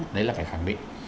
đấy là phải khẳng định